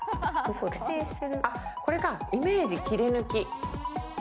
これか、イメージ切り抜き。